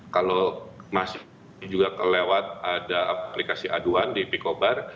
kalau masih juga kelewat ada aplikasi aduan di picobar